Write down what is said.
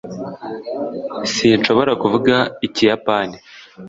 sinshobora kuvuga ikiyapani